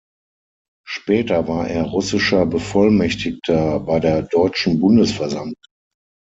Später war er russischer Bevollmächtigter bei der deutschen Bundesversammlung.